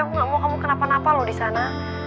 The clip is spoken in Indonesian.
aku gak mau kamu kenapa napa loh di sana